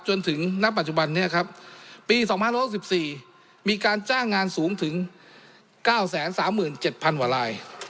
จนถึงณปัจจุบันนี้ครับปี๒๕๖๔มีการจ้างงานสูงถึง๙๓๗๐๐กว่าลาย